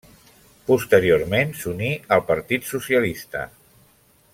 Posteriorment s'uní al Partit Socialista.